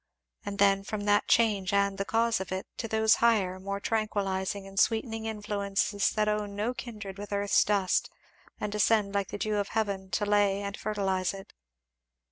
And then from that change and the cause of it, to those higher, more tranquilizing, and sweetening influences that own no kindred with earth's dust and descend like the dew of heaven to lay and fertilize it.